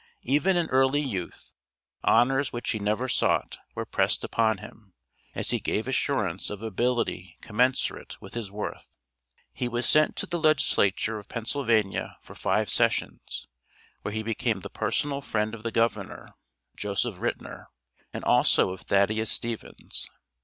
Even in early youth, honors which he never sought, were pressed upon him, as he gave assurance of ability commensurate with his worth. He was sent to the Legislature of Pennsylvania for five sessions, where he became the personal friend of the Governor, Joseph Ritner, and also of Thaddeus Stevens.